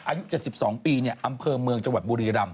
อายุ๗๒ปีอำเภอเมืองจังหวัดบุรีรำ